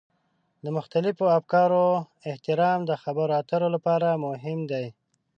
د مختلفو افکارو احترام د خبرو اترو لپاره مهم دی.